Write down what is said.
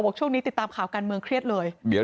บอกช่วงนี้ติดตามข่าวการเมืองเครียดเลย